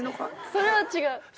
それは違うな。